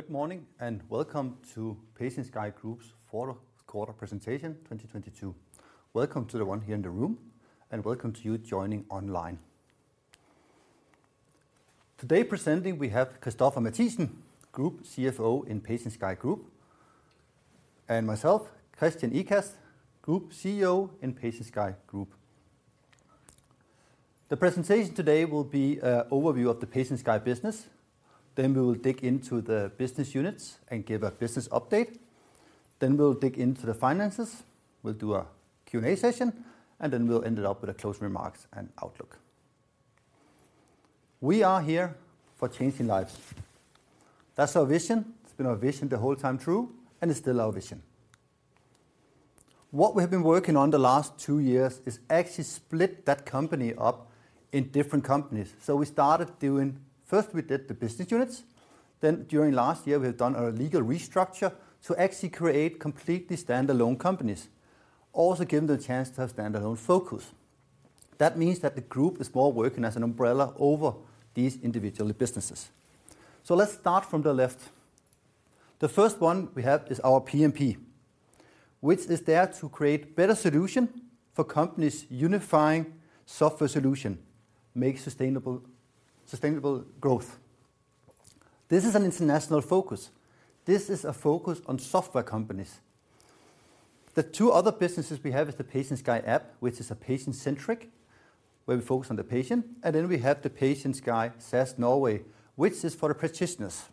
Good morning, and welcome to PatientSky Group's fourth quarter presentation 2022. Welcome to the one here in the room and welcome to you joining online. Today presenting we haveChristoffer Mathiesen, Group CFO in PatientSky Group, and myself, Kristian Ikast, Group CEO in PatientSky Group. The presentation today will be an overview of the PatientSky business. We will dig into the business units and give a business update. We'll dig into the finances. We'll do a Q&A session, and then we'll end it up with a closing remarks and outlook. We are here for changing lives. That's our vision. It's been our vision the whole time through, and it's still our vision. What we have been working on the last two years is actually split that company up in different companies. We started First we did the business units. During last year, we have done a legal restructure to actually create completely standalone companies, also giving the chance to have standalone focus. That means that the group is more working as an umbrella over these individual businesses. Let's start from the left. The first one we have is our PMP, which is there to create better solution for companies unifying software solution, make sustainable growth. This is an international focus. This is a focus on software companies. The two other businesses we have is the PatientSky app, which is a patient-centric where we focus on the patient, and then we have the PatientSky SaaS Norway, which is for the practitioners.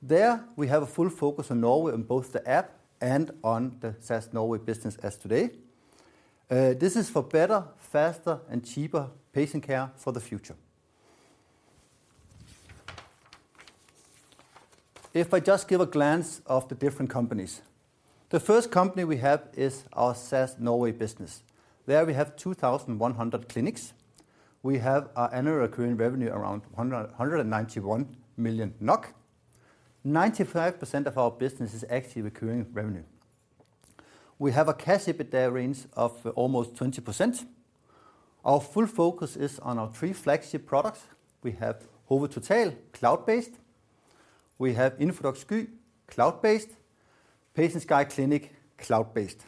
There we have a full focus on Norway on both the app and on the SaaS Norway business as today. This is for better, faster, and cheaper patient care for the future. I just give a glance of the different companies. The first company we have is our SaaS Norway business. There we have 2,100 clinics. We have our annual recurring revenue around 91 million NOK. 95% of our business is actually recurring revenue. We have a Cash EBITDA range of almost 20%. Our full focus is on our three flagship products. We have Hove Total, cloud-based. We have Infodoc Sky, cloud-based. PatientSky Clinic, cloud-based.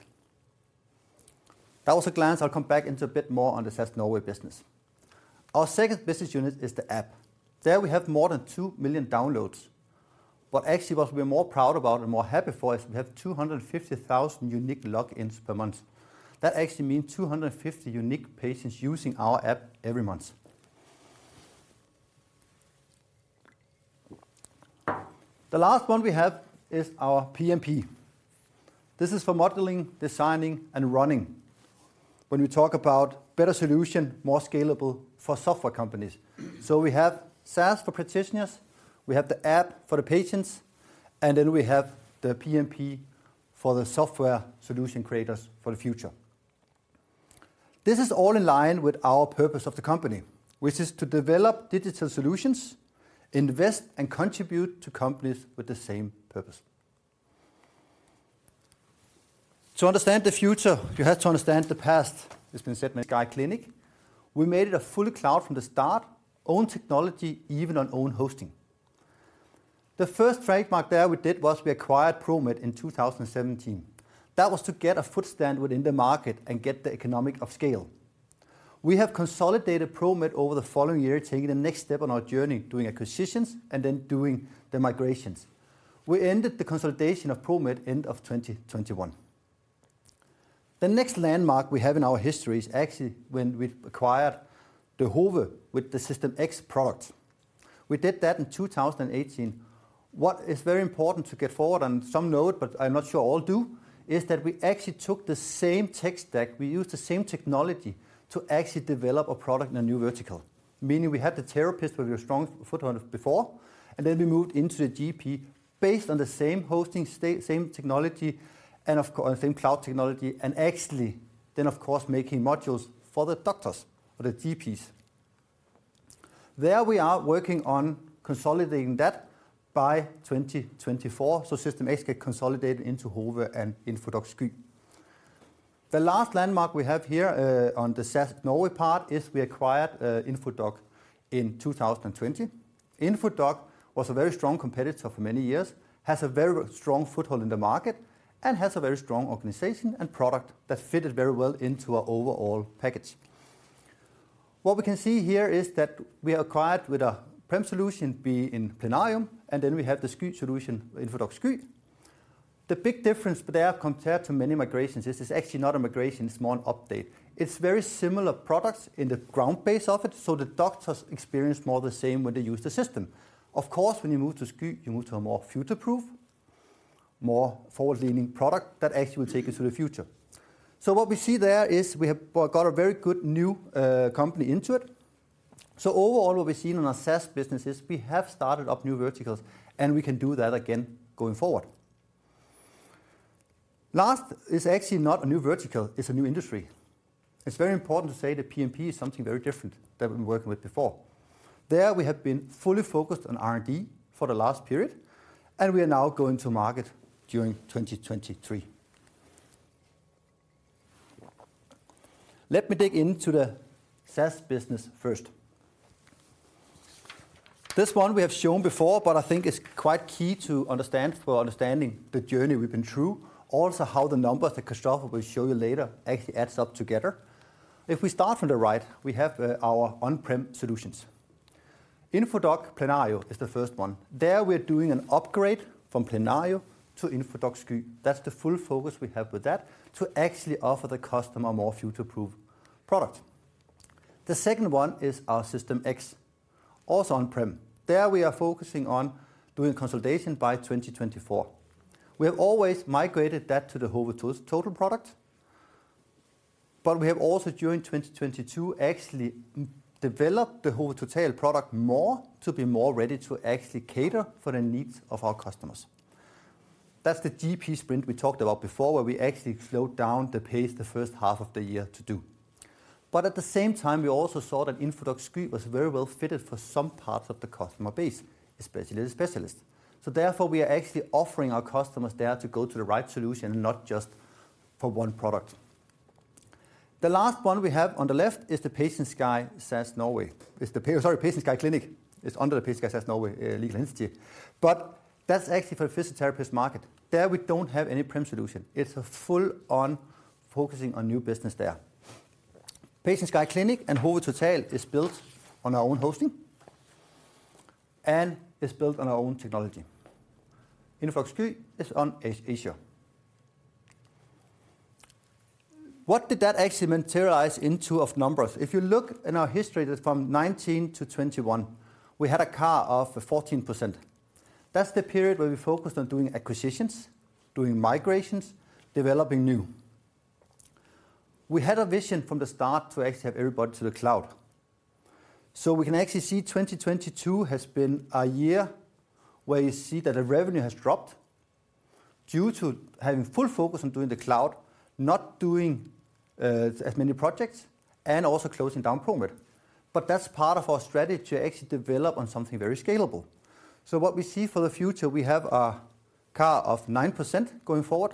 That was a glance. I'll come back into a bit more on the SaaS Norway business. Our second business unit is the app. There we have more than 2 million downloads. What we're more proud about and more happy for is we have 250,000 unique logins per month. That actually means 250 unique patients using our app every month. The last one we have is our PMP. This is for modeling, designing, and running when we talk about better solution, more scalable for software companies. We have SaaS for practitioners, we have the app for the patients, and then we have the PMP for the software solution creators for the future. This is all in line with our purpose of the company, which is to develop digital solutions, invest and contribute to companies with the same purpose. To understand the future, you have to understand the past. This has been said in the PatientSky Clinic. We made it a full cloud from the start, own technology, even on own hosting. The first trademark there we did was we acquired Promed in 2017. That was to get a foot stand within the market and get the economic of scale. We have consolidated Promed over the following year, taking the next step on our journey, doing acquisitions and then doing the migrations. We ended the consolidation of Promed end of 2021. The next landmark we have in our history is actually when we acquired Hove with the System X product. We did that in 2018. What is very important to get forward on some note, but I'm not sure all do, is that we actually took the same tech stack. We used the same technology to actually develop a product in a new vertical. Meaning we had the therapist with a strong foothold before, and then we moved into the GP based on the same technology and of course, same cloud technology, and actually then of course, making modules for the doctors or the GPs. There we are working on consolidating that by 2024, so System X get consolidated into Hove and Infodoc Sky. The last landmark we have here on the SaaS Norway part is we acquired Infodoc in 2020. Infodoc was a very strong competitor for many years, has a very strong foothold in the market and has a very strong organization and product that fitted very well into our overall package. What we can see here is that we acquired with a prem solution be in Plenario, and then we have the Sky solution, Infodoc Sky. The big difference there compared to many migrations, this is actually not a migration, it's more an update. It's very similar products in the ground base of it, so the doctors experience more the same when they use the system. Of course, when you move to Sky, you move to a more future-proof, more forward-leaning product that actually will take you to the future. What we see there is we have got a very good new company into it. Overall what we've seen on our SaaS business is we have started up new verticals, and we can do that again going forward. Last is actually not a new vertical, it's a new industry. It's very important to say that PMP is something very different than we've been working with before. There we have been fully focused on R&D for the last period, and we are now going to market during 2023. Let me dig into the SaaS business first. This one we have shown before, but I think it's quite key to understand for understanding the journey we've been through. How the numbers that Christoffer will show you later actually adds up together. We start from the right, we have our on-prem solutions. Infodoc Plenario is the first one. There we are doing an upgrade from Plenario to Infodoc Sky. That's the full focus we have with that to actually offer the customer more future-proof product. The second one is our System X, also on-prem. There we are focusing on doing consolidation by 2024. We have always migrated that to the Hove Total product. We have also, during 2022, actually developed the Hove Total product more to be more ready to actually cater for the needs of our customers. That's the GP sprint we talked about before, where we actually slowed down the pace the first half of the year to do. At the same time, we also saw that Infodoc Sky was very well-fitted for some parts of the customer base, especially the specialists. Therefore, we are actually offering our customers there to go to the right solution and not just for one product. The last one we have on the left is the PatientSky SaaS Norway. PatientSky Clinic. It's under the PatientSky SaaS Norway legal entity. That's actually for the physiotherapist market. There we don't have any prem solution. It's a full on focusing on new business there. PatientSky Clinic and Hove Total is built on our own hosting and is built on our own technology. Infodoc Sky is on Azure. What did that actually materialize into of numbers? If you look in our history from 19 to 21, we had a CAR of 14%. That's the period where we focused on doing acquisitions, doing migrations, developing new. We had a vision from the start to actually have everybody to the cloud. We can actually see 2022 has been a year where you see that the revenue has dropped due to having full focus on doing the cloud, not doing as many projects, and also closing down Promed. That's part of our strategy to actually develop on something very scalable. What we see for the future, we have a CAR of 9% going forward.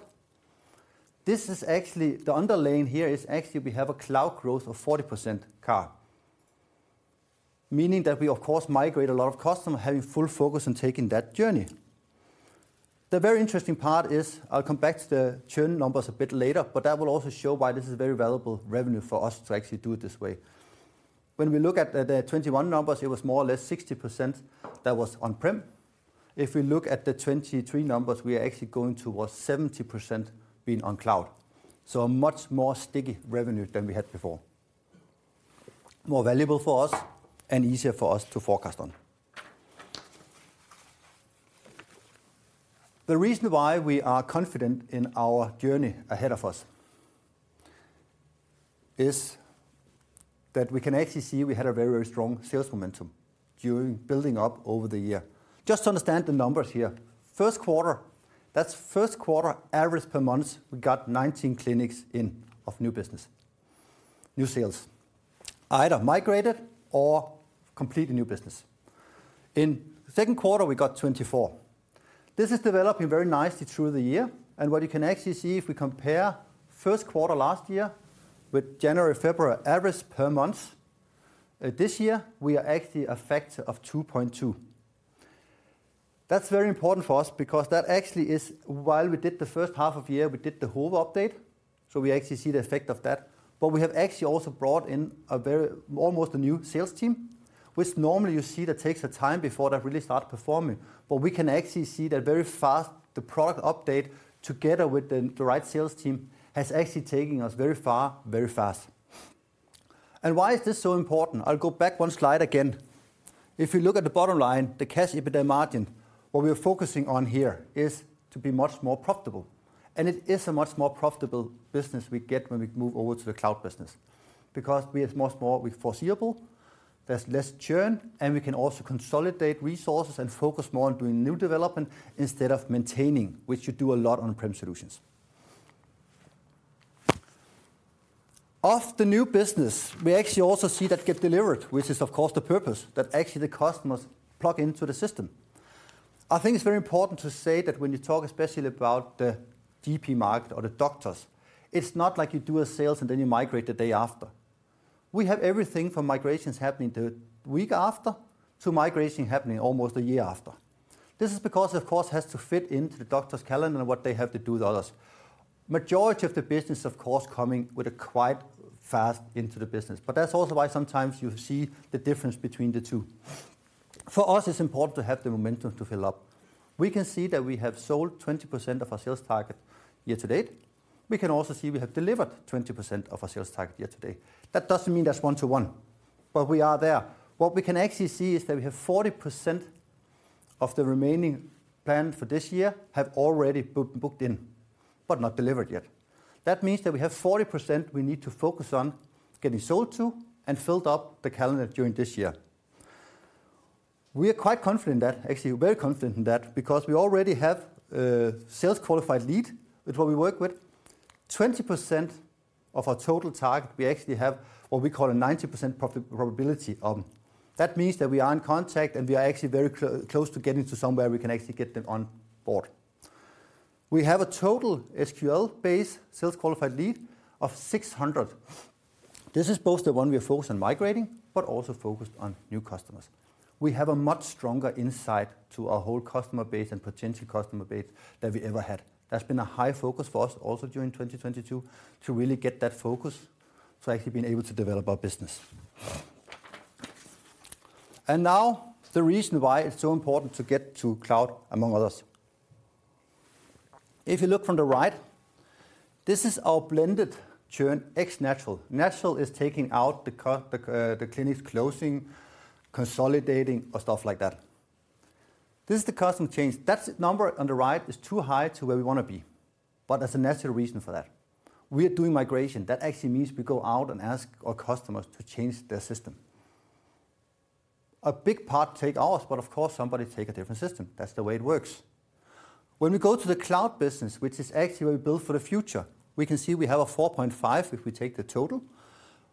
The underlying here is actually we have a cloud growth of 40% CAR. Meaning that we, of course, migrate a lot of customers having full focus on taking that journey. The very interesting part is, I'll come back to the churn numbers a bit later, That will also show why this is a very valuable revenue for us to actually do it this way. When we look at the 2021 numbers, it was more or less 60% that was on-prem. If we look at the 2023 numbers, we are actually going towards 70% being on cloud. A much more sticky revenue than we had before. More valuable for us and easier for us to forecast on. The reason why we are confident in our journey ahead of us is that we can actually see we had a very, very strong sales momentum during building up over the year. Just to understand the numbers here. First quarter, that's first quarter average per month, we got 19 clinics in of new business, new sales, either migrated or completely new business. In second quarter, we got 24. This is developing very nicely through the year. What you can actually see if we compare first quarter last year with January, February average per month, this year, we are actually a factor of 2.2. That's very important for us because that actually is while we did the first half of the year, we did the whole update. We actually see the effect of that. We have actually also brought in almost a new sales team, which normally you see that takes the time before they really start performing. We can actually see that very fast the product update together with the right sales team has actually taken us very far, very fast. Why is this so important? I'll go back one slide again. If you look at the bottom line, the Cash EBITDA margin, what we are focusing on here is to be much more profitable. It is a much more profitable business we get when we move over to the cloud business because we are much more we foreseeable. There's less churn, and we can also consolidate resources and focus more on doing new development instead of maintaining, which you do a lot on-prem solutions. Of the new business, we actually also see that get delivered, which is of course the purpose that actually the customers plug into the system. I think it's very important to say that when you talk especially about the GP market or the doctors, it's not like you do a sales and then you migrate the day after. We have everything from migrations happening the week after to migration happening almost a year after. This is because of course it has to fit into the doctor's calendar and what they have to do with others. Majority of the business, of course, coming with a quite fast into the business. That's also why sometimes you see the difference between the two. For us, it's important to have the momentum to fill up. We can see that we have sold 20% of our sales target year to date. We can also see we have delivered 20% of our sales target year to date. That doesn't mean that's one to one, but we are there. What we can actually see is that we have 40% of the remaining plan for this year have already booked in but not delivered yet. That means that we have 40% we need to focus on getting sold to and filled up the calendar during this year. We are quite confident that, actually very confident in that because we already have a sales qualified lead with what we work with. 20% of our total target, we actually have what we call a 90% probability of. That means that we are in contact, we are actually very close to getting to somewhere we can actually get them on board. We have a total SQL base sales qualified lead of 600. This is both the one we are focused on migrating, also focused on new customers. We have a much stronger insight to our whole customer base and potential customer base than we ever had. That's been a high focus for us also during 2022 to really get that focus to actually being able to develop our business. Now the reason why it's so important to get to cloud, among others. If you look from the right, this is our blended churn ex natural. Natural is taking out the clinics closing, consolidating, or stuff like that. This is the custom change. That number on the right is too high to where we wanna be, but there's a natural reason for that. We are doing migration. That actually means we go out and ask our customers to change their system. A big part take ours, but of course, somebody take a different system. That's the way it works. When we go to the cloud business, which is actually where we build for the future, we can see we have a 4.5 if we take the total,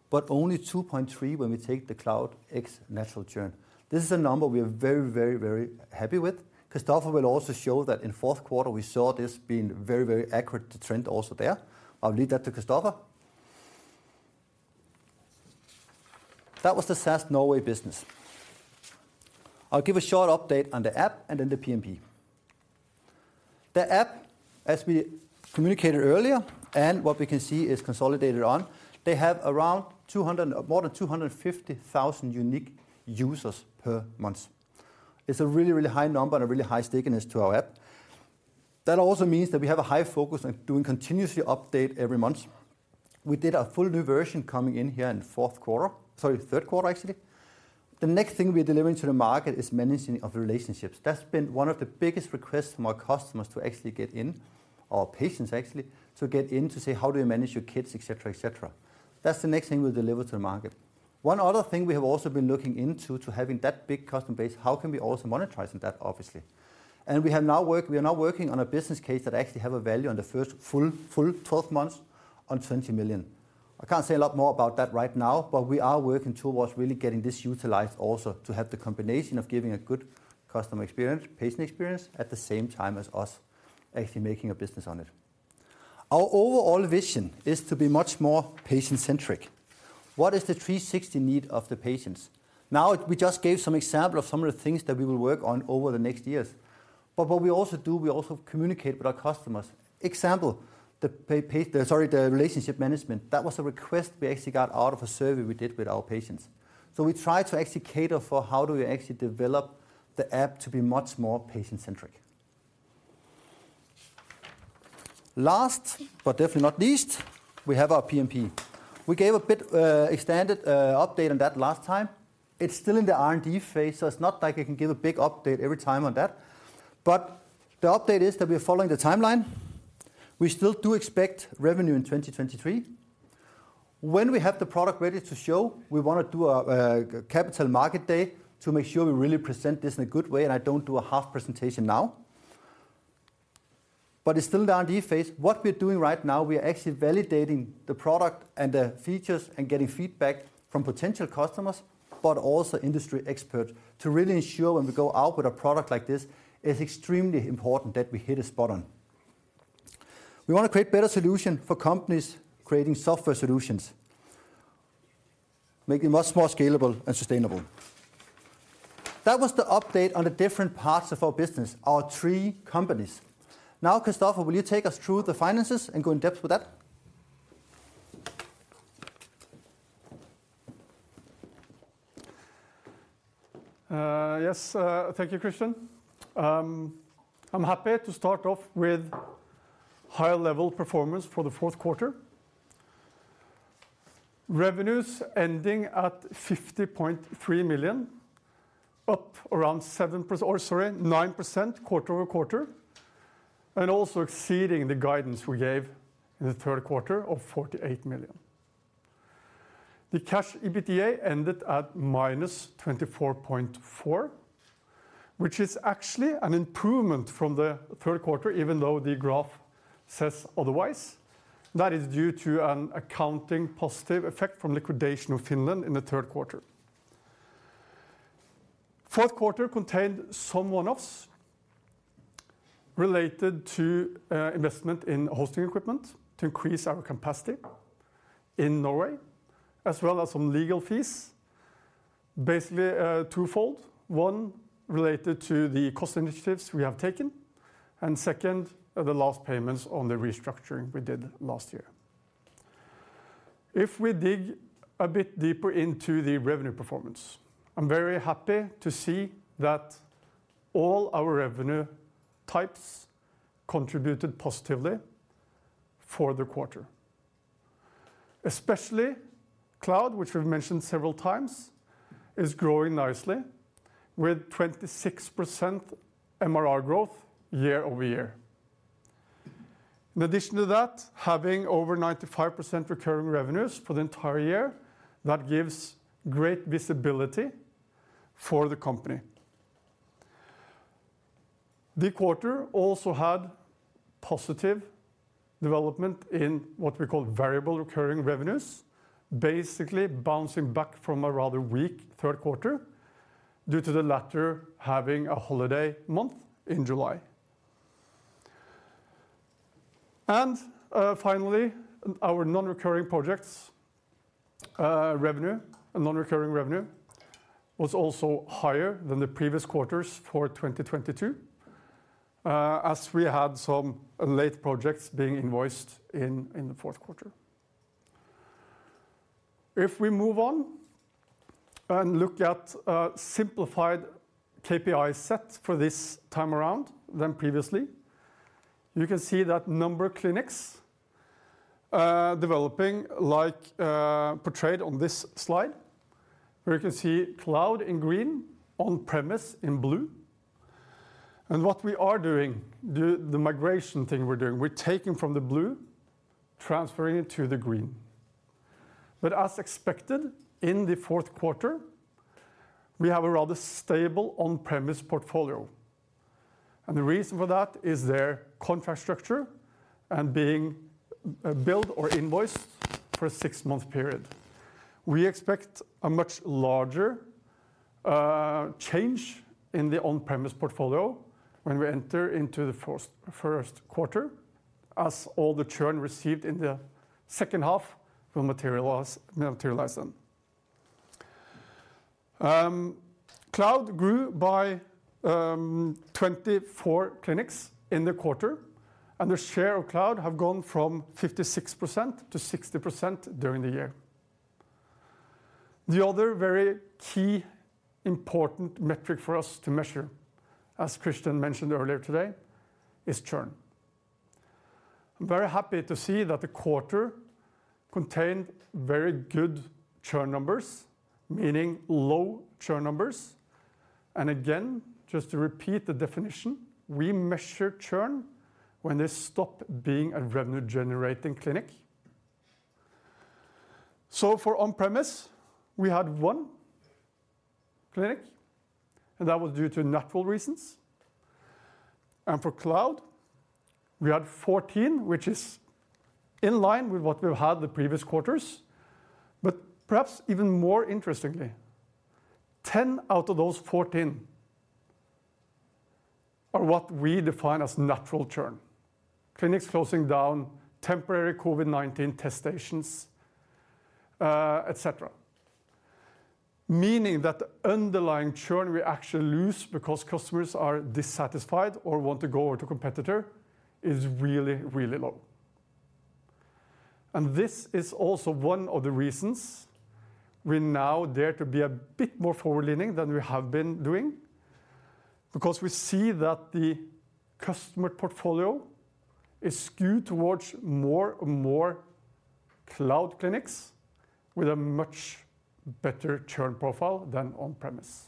but only 2.3 when we take the cloud ex natural churn. This is a number we are very, very, very happy with. Christoffer will also show that in fourth quarter we saw this being very, very accurate to trend also there. I'll leave that to Christoffer. That was the SaaS Norway business. I'll give a short update on the App and then the PMP. The App, as we communicated earlier, and what we can see is consolidated on, they have around more than 250,000 unique users per month. It's a really, really high number and a really high stickiness to our App. That also means that we have a high focus on doing continuously update every month. We did a full new version coming in here in fourth quarter, sorry, third quarter, actually. The next thing we are delivering to the market is managing of relationships. That's been one of the biggest requests from our customers to actually get in, or patients actually, to get in to say, how do you manage your kids, et cetera, et cetera. That's the next thing we'll deliver to the market. One other thing we have also been looking into to having that big customer base, how can we also monetizing that, obviously. We are now working on a business case that actually have a value on the first full 12 months on 20 million. I can't say a lot more about that right now, but we are working towards really getting this utilized also to have the combination of giving a good customer experience, patient experience, at the same time as us actually making a business on it. Our overall vision is to be much more patient-centric. What is the 360 need of the patients? We just gave some examples of some of the things that we will work on over the next years. What we also do, we also communicate with our customers. Example, sorry, the relationship management. That was a request we actually got out of a survey we did with our patients. We try to actually cater for how do we actually develop the app to be much more patient-centric. Last, but definitely not least, we have our PMP. We gave a bit extended update on that last time. It's still in the R&D phase, so it's not like I can give a big update every time on that. The update is that we're following the timeline. We still do expect revenue in 2023. When we have the product ready to show, we wanna do a capital market day to make sure we really present this in a good way, and I don't do a half presentation now. It's still the R&D phase. What we're doing right now, we are actually validating the product and the features and getting feedback from potential customers, but also industry experts to really ensure when we go out with a product like this, it's extremely important that we hit it spot on. We wanna create better solution for companies creating software solutions, making much more scalable and sustainable. That was the update on the different parts of our business, our three companies. Christopher, will you take us through the finances and go in depth with that? Yes. Thank you, Christian. I'm happy to start off with high-level performance for the fourth quarter. Revenues ending at 50.3 million, up around 9% quarter-over-quarter, and also exceeding the guidance we gave in the third quarter of 48 million. The Cash EBITDA ended at minus 24.4, which is actually an improvement from the third quarter, even though the graph says otherwise. That is due to an accounting positive effect from liquidation of Finland in the third quarter. Fourth quarter contained some one-offs related to investment in hosting equipment to increase our capacity in Norway, as well as some legal fees. Basically, twofold, one related to the cost initiatives we have taken, and second, the last payments on the restructuring we did last year. If we dig a bit deeper into the revenue performance, I'm very happy to see that all our revenue types contributed positively for the quarter. Especially cloud, which we've mentioned several times, is growing nicely with 26% MRR growth year-over-year. Having over 95% recurring revenues for the entire year, that gives great visibility for the company. The quarter also had positive development in what we call variable recurring revenues, basically bouncing back from a rather weak third quarter. Due to the latter having a holiday month in July. Finally, our non-recurring projects revenue and non-recurring revenue was also higher than the previous quarters for 2022, as we had some late projects being invoiced in the fourth quarter. If we move on and look at a simplified KPI set for this time around than previously, you can see that number of clinics, developing like, portrayed on this slide, where you can see cloud in green, on-premise in blue. What we are doing, the migration thing we're doing, we're taking from the blue, transferring it to the green. As expected, in the fourth quarter, we have a rather stable on-premise portfolio. The reason for that is their contract structure and being, billed or invoiced for a six-month period. We expect a much larger, change in the on-premise portfolio when we enter into the first quarter, as all the churn received in the second half will materialize then. Cloud grew by 24 clinics in the quarter. The share of cloud have gone from 56% to 60% during the year. The other very key important metric for us to measure, as Kristian mentioned earlier today, is churn. I'm very happy to see that the quarter contained very good churn numbers, meaning low churn numbers, and again, just to repeat the definition, we measure churn when they stop being a revenue-generating clinic. For on-premise, we had one clinic, and that was due to natural reasons. For cloud, we had 14, which is in line with what we've had the previous quarters. Perhaps even more interestingly, 10 out of those 14 are what we define as natural churn, clinics closing down temporary COVID-19 test stations, et cetera. Meaning that the underlying churn we actually lose because customers are dissatisfied or want to go to a competitor is really, really low. This is also one of the reasons we now dare to be a bit more forward-leaning than we have been doing because we see that the customer portfolio is skewed towards more and more cloud clinics with a much better churn profile than on-premise.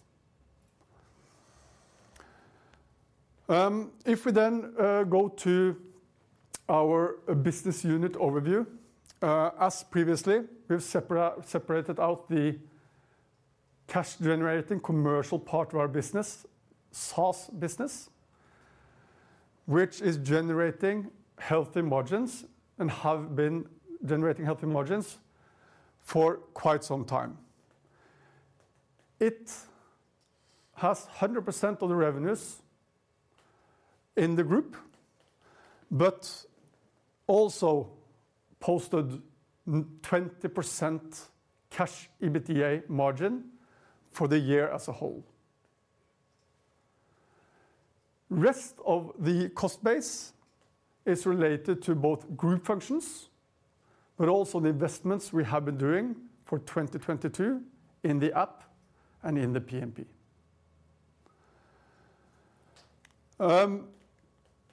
If we go to our business unit overview, as previously, we've separated out the cash-generating commercial part of our business, SaaS business, which is generating healthy margins and have been generating healthy margins for quite some time. It has 100% of the revenues in the group, but also posted 20% Cash EBITDA margin for the year as a whole. Rest of the cost base is related to both group functions, but also the investments we have been doing for 2022 in the app and in the PMP.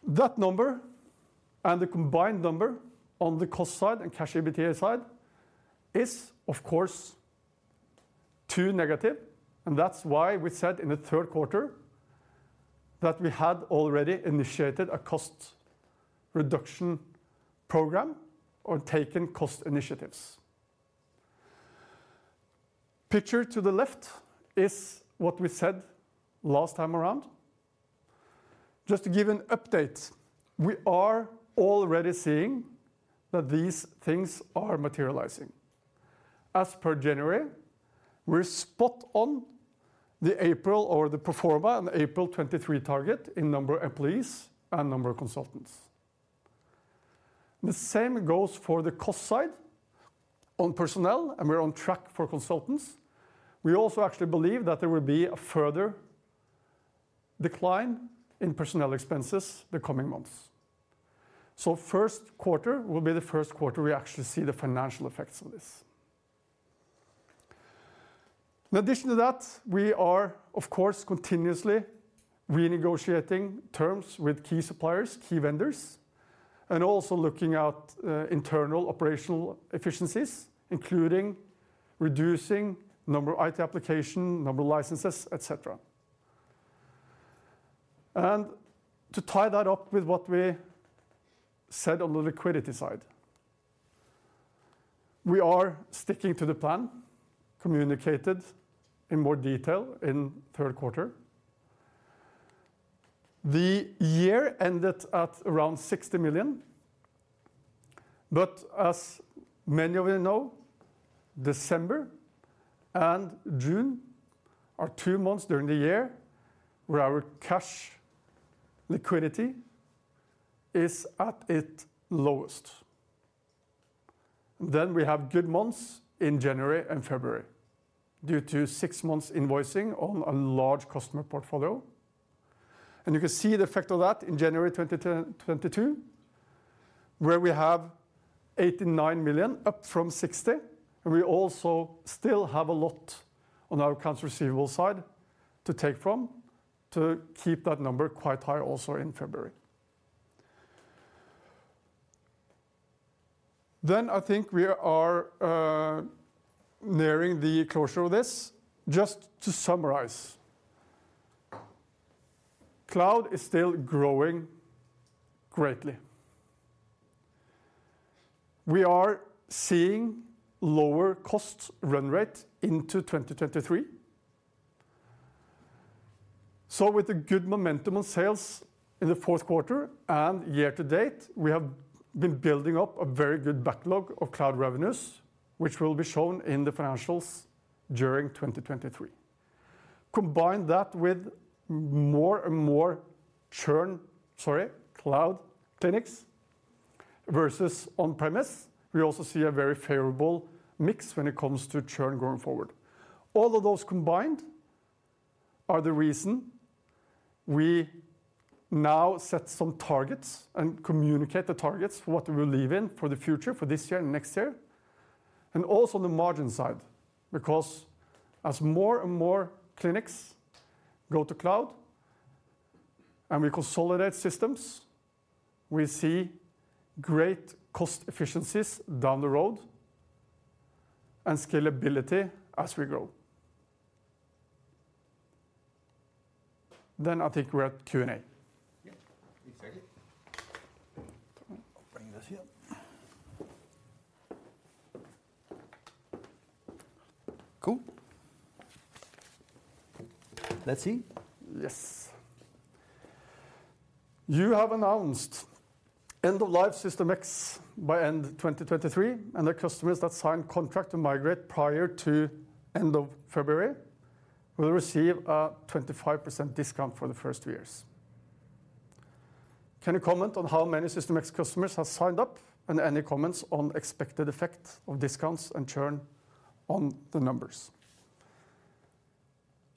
That number and the combined number on the cost side and Cash EBITDA side is, of course, too negative, and that's why we said in the third quarter that we had already initiated a cost reduction program or taken cost initiatives. Picture to the left is what we said last time around. Just to give an update, we are already seeing that these things are materializing. As per January, we're spot on the April or the pro forma and April 2023 target in number of employees and number of consultants. The same goes for the cost side on personnel, and we're on track for consultants. We also actually believe that there will be a further decline in personnel expenses the coming months. First quarter will be the first quarter we actually see the financial effects of this. In addition to that, we are, of course, continuously renegotiating terms with key suppliers, key vendors, and also looking at internal operational efficiencies, including reducing number of IT application, number of licenses, et cetera. To tie that up with what we said on the liquidity side, we are sticking to the plan communicated in more detail in third quarter. The year ended at around 60 million. As many of you know, December and June are two months during the year where our cash liquidity is at its lowest. We have good months in January and February due to six months invoicing on a large customer portfolio. You can see the effect of that in January 2022, where we have 89 million up from 60 million, and we also still have a lot on our accounts receivable side to take from, to keep that number quite high also in February. I think we are nearing the closure of this. Just to summarize, cloud is still growing greatly. We are seeing lower cost run rate into 2023. With the good momentum on sales in the fourth quarter and year to date, we have been building up a very good backlog of cloud revenues, which will be shown in the financials during 2023. Combine that with more and more churn, sorry, cloud clinics versus on-premise, we also see a very favorable mix when it comes to churn going forward. All of those combined are the reason we now set some targets and communicate the targets for what we believe in for the future, for this year and next year, and also on the margin side. Because as more and more clinics go to cloud and we consolidate systems, we see great cost efficiencies down the road and scalability as we grow. I think we're at Q&A Cool. Let's see. Yes. You have announced end of life System X by end 2023, and the customers that sign contract to migrate prior to end of February will receive a 25% discount for the first two years. Can you comment on how many System X customers have signed up, and any comments on expected effect of discounts and churn on the numbers?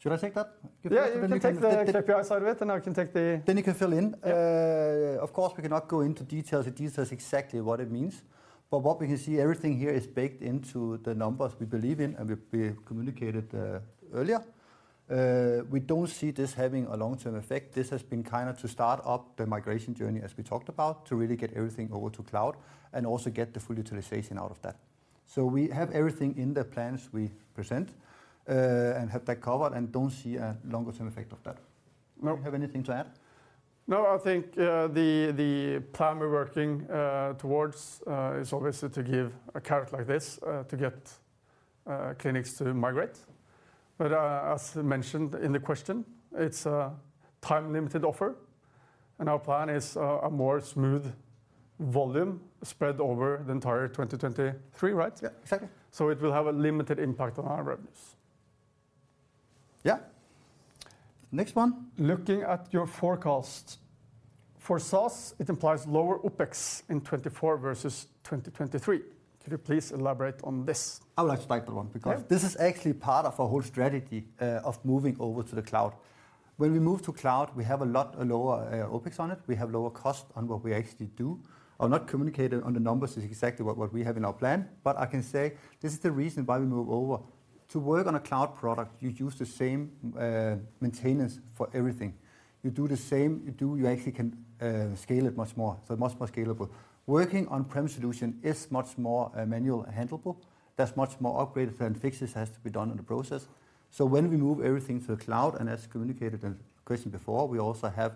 Should I take that? Yeah, you can take the KPI side of it. You can fill in. Yeah. Of course, we cannot go into details, the details exactly what it means. What we can see, everything here is baked into the numbers we believe in and we communicated earlier. We don't see this having a long-term effect. This has been kind of to start up the migration journey, as we talked about, to really get everything over to cloud and also get the full utilization out of that. We have everything in the plans we present and have that covered and don't see a longer term effect of that. No. Do you have anything to add? I think the plan we're working towards is obviously to give a carrot like this to get clinics to migrate. As mentioned in the question, it's a time-limited offer, and our plan is a more smooth volume spread over the entire 2023, right? Exactly. It will have a limited impact on our revenues. Next one. Looking at your forecast for SaaS, it implies lower OPEX in 2024 versus 2023. Could you please elaborate on this? I would like to take that one. This is actually part of our whole strategy of moving over to the cloud. When we move to cloud, we have a lot lower OPEX on it. We have lower cost on what we actually do. I'll not communicate on the numbers exactly what we have in our plan, but I can say this is the reason why we move over. To work on a cloud product, you use the same maintenance for everything. You do the same. You actually can scale it much more, so much more scalable. Working on-prem solution is much more manual handleable. There's much more upgraded and fixes has to be done in the process. When we move everything to the cloud, and as communicated in question before, we also have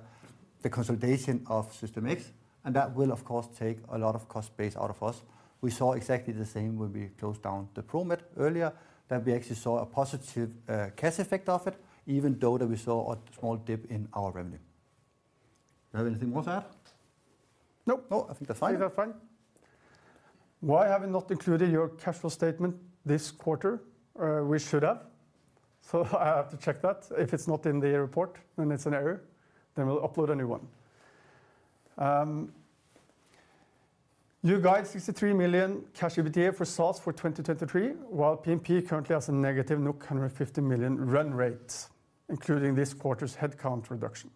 the consolidation of System X, and that will of course take a lot of cost base out of us. We saw exactly the same when we closed down the Promed earlier, that we actually saw a positive cash effect of it, even though that we saw a small dip in our revenue. Do you have anything more to add? Nope. I think that's fine. I think that's fine. Why have you not included your cash flow statement this quarter? We should have. I have to check that. If it's not in the report, it's an error, we'll upload a new one. You guide 63 million Cash EBITDA for SaaS for 2023, while PMP currently has a negative 150 million run rate, including this quarter's headcount reduction.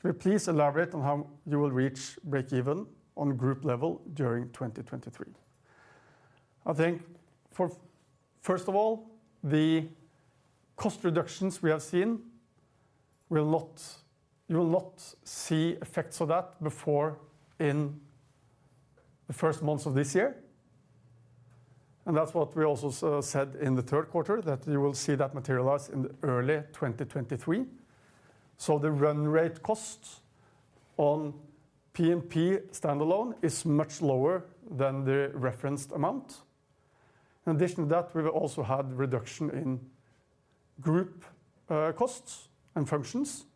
Could you please elaborate on how you will reach break even on group level during 2023? I think first of all, the cost reductions we have seen will not see effects of that before in the first months of this year. That's what we also said in the third quarter, that you will see that materialize in early 2023. The run rate cost on PMP standalone is much lower than the referenced amount. In addition to that, we will also have reduction in group, costs and functions.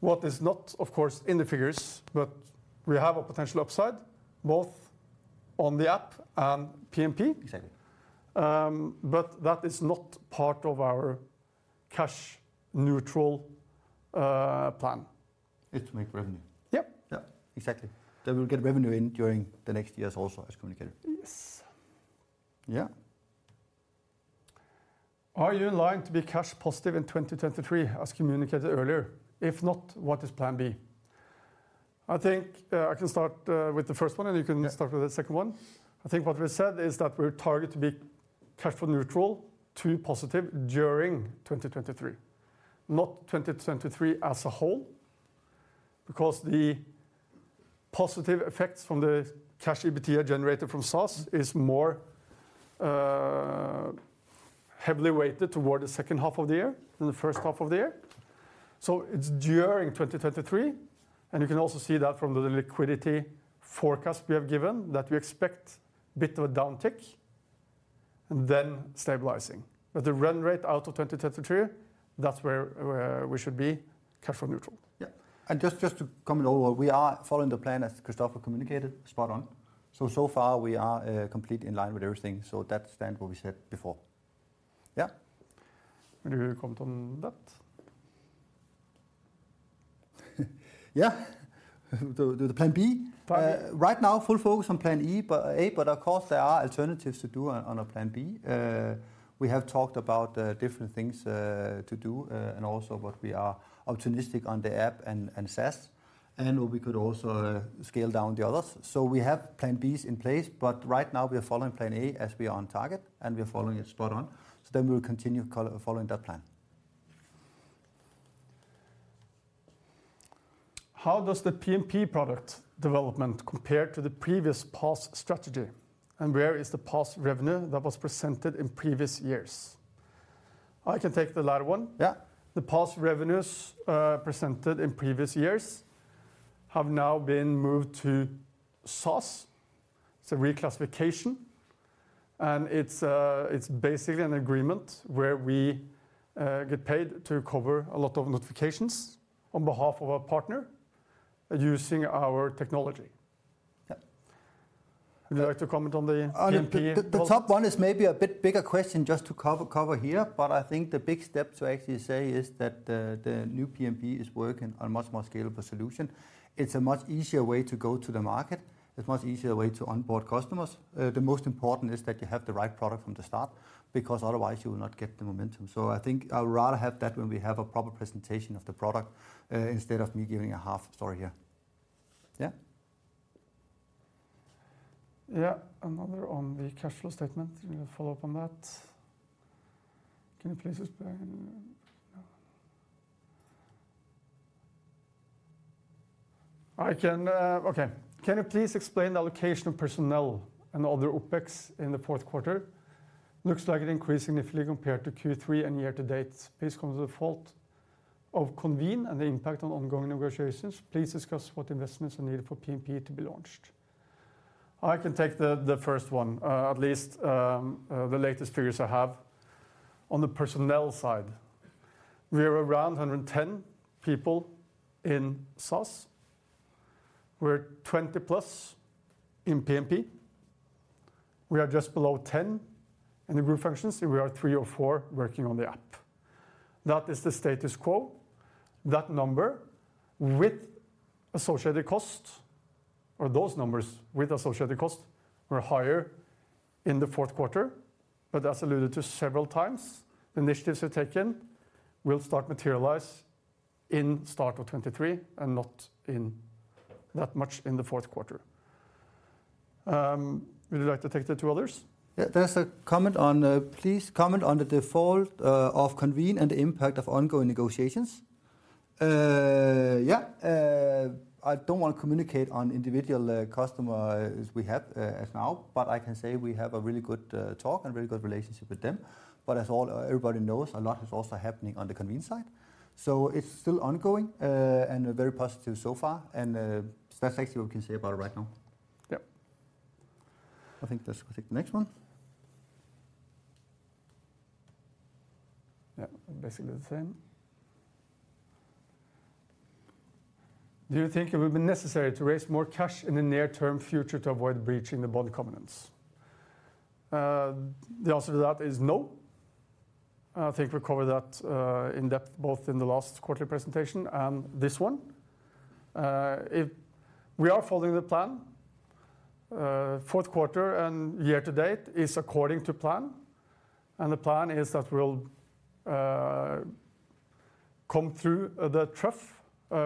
What is not, of course, in the figures, but we have a potential upside both on the app and PMP. Exactly. That is not part of our cash neutral plan. Is to make revenue. Yep. Yeah. Exactly. That we'll get revenue in during the next years also as communicated. Yes. Yeah. Are you in line to be cash positive in 2023 as communicated earlier? If not, what is plan B? I think I can start with the first one, and you can. Start with the second one. I think what we said is that we're target to be cash flow neutral to positive during 2023, not 2023 as a whole, because the positive effects from the Cash EBITDA generated from SaaS is more heavily weighted toward the second half of the year than the first half of the year. It's during 2023, and you can also see that from the liquidity forecast we have given, that we expect a bit of a downtick and then stabilizing. At the run rate out of 2023, that's where we should be cash flow neutral. Yeah. Just to comment overall, we are following the plan as Christoffer communicated, spot on. So far we are completely in line with everything. That stand what we said before. Yeah. Any comment on that? Yeah. The plan B? Plan B. Right now, full focus on plan A, but of course, there are alternatives to do on a plan B. We have talked about different things to do, and also what we are optimistic on the app and SaaS, and we could also scale down the others. We have plan Bs in place, but right now we are following plan A as we are on target, and we are following it spot on. We'll continue co-following that plan. How does the PMP product development compare to the previous PaaS strategy? Where is the PaaS revenue that was presented in previous years? I can take the latter one. Yeah. The PaaS revenues, presented in previous years have now been moved to SaaS. It's a reclassification, and it's basically an agreement where we get paid to cover a lot of notifications on behalf of a partner using our technology. Yeah. Would you like to comment on the PMP development? The top one is maybe a bit bigger question just to cover here, I think the big step to actually say is that the new PMP is working on a much more scalable solution. It's a much easier way to go to the market. It's a much easier way to onboard customers. The most important is that you have the right product from the start, because otherwise you will not get the momentum. I think I would rather have that when we have a proper presentation of the product, instead of me giving a half story here. Yeah. Yeah. Another on the cash flow statement. You want to follow up on that? Okay. Can you please explain the allocation of personnel and other OpEx in the fourth quarter? Looks like it increased significantly compared to Q3 and year to date. Please comment on the default of Convene and the impact on ongoing negotiations. Please discuss what investments are needed for PMP to be launched. I can take the first one, at least, the latest figures I have. On the personnel side, we are around 110 people in SaaS. We're 20 plus in PMP. We are just below 10 in the group functions, and we are three or four working on the app. That is the status quo. That number with associated costs, or those numbers with associated costs, were higher in the fourth quarter, but as alluded to several times, initiatives are taken will start materialize in start of 2023 and not in that much in the fourth quarter. Would you like to take the two others? There's a comment on, please comment on the default of Convene and the impact of ongoing negotiations. I don't want to communicate on individual customers we have as now, but I can say we have a really good talk and really good relationship with them. As all, everybody knows, a lot is also happening on the Convene side. It's still ongoing and very positive so far. That's actually what we can say about it right now. Yeah. I think let's take the next one. Yeah. Basically the same. Do you think it will be necessary to raise more cash in the near-term future to avoid breaching the bond covenants? The answer to that is no. I think we covered that in depth both in the last quarterly presentation and this one. We are following the plan. Fourth quarter and year to date is according to plan, and the plan is that we'll come through the trough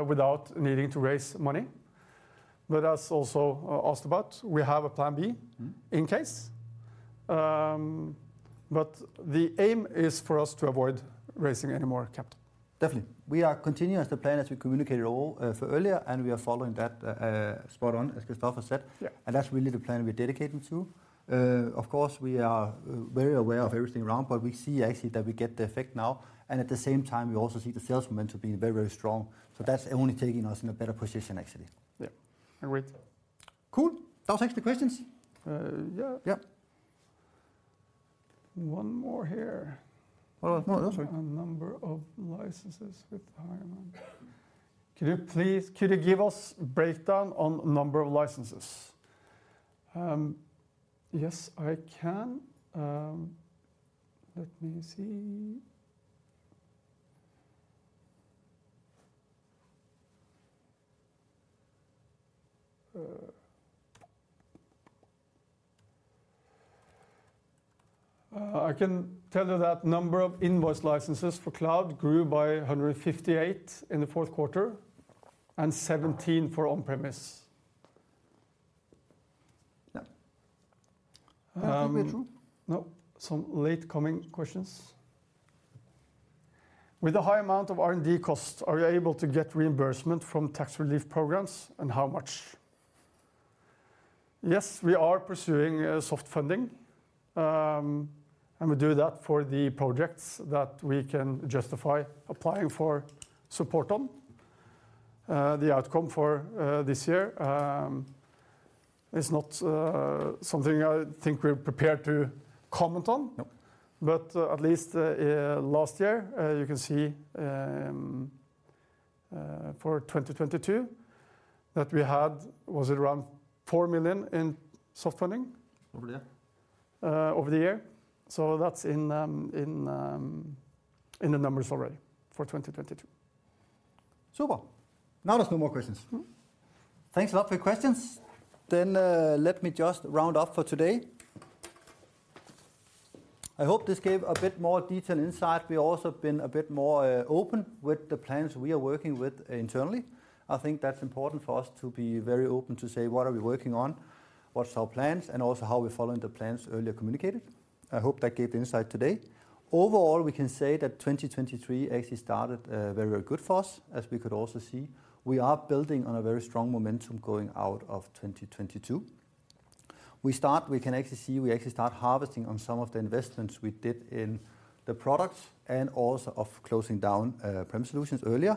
without needing to raise money. As also asked about, we have a plan B- Mm-hmm. in case. The aim is for us to avoid raising any more capital. Definitely. We are continuing as the plan as we communicated all for earlier, and we are following that spot on, as Christoffer said. Yeah. That's really the plan we're dedicating to. Of course, we are very aware of everything around. We see actually that we get the effect now, and at the same time, we also see the sales momentum being very, very strong. That's only taking us in a better position actually. Yeah. Agreed. Cool. That was actually questions. Yeah. Yeah. One more here. Oh, no, sorry. A number of licenses with higher amount. Could you give us breakdown on number of licenses? Yes, I can. Let me see. I can tell you that number of invoice licenses for cloud grew by 158 in the fourth quarter and 17 for on-premise. Yeah. Anything, Peter? No. Some late coming questions. With a high amount of R&D costs, are you able to get reimbursement from tax relief programs, and how much? Yes, we are pursuing soft funding, and we do that for the projects that we can justify applying for support on. The outcome for this year, is not something I think we're prepared to comment on. No. At least, last year, you can see, for 2022 that we had, was it around 4 million in soft funding? Over the year. Over the year. That's in the numbers already for 2022. Super. Now there's no more questions. Mm. Thanks a lot for your questions. Let me just round up for today. I hope this gave a bit more detailed insight. We also been a bit more open with the plans we are working with internally. I think that's important for us to be very open to say what are we working on, what's our plans, and also how we're following the plans earlier communicated. I hope that gave the insight today. Overall, we can say that 2023 actually started very good for us. As we could also see, we are building on a very strong momentum going out of 2022. We can actually see we start harvesting on some of the investments we did in the products and also of closing down prem solutions earlier.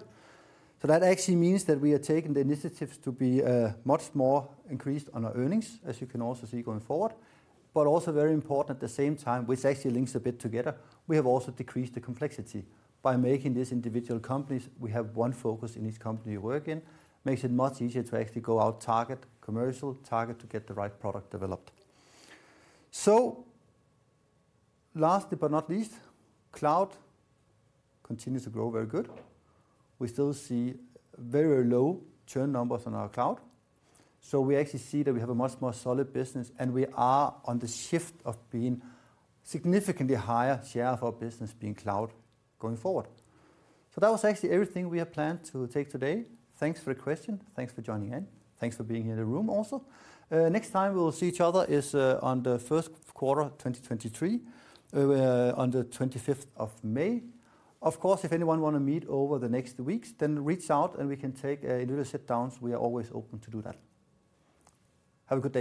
That actually means that we are taking the initiatives to be much more increased on our earnings, as you can also see going forward. Also very important at the same time, which actually links a bit together, we have also decreased the complexity. By making these individual companies, we have one focus in each company we work in. Makes it much easier to actually go out target commercial, target to get the right product developed. Lastly, but not least, cloud continues to grow very good. We still see very low churn numbers on our cloud. We actually see that we have a much more solid business, and we are on the shift of being significantly higher share of our business being cloud going forward. That was actually everything we have planned to take today. Thanks for your question. Thanks for joining in. Thanks for being here in the room also. Next time we will see each other is on the first quarter 2023, on the 25th of May. Of course, if anyone wanna meet over the next weeks, reach out and we can take a little sit-downs. We are always open to do that. Have a good day.